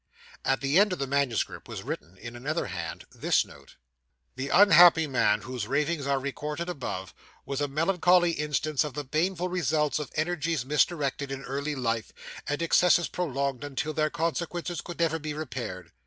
At the end of the manuscript was written, in another hand, this note: [The unhappy man whose ravings are recorded above, was a melancholy instance of the baneful results of energies misdirected in early life, and excesses prolonged until their consequences could never be repaired.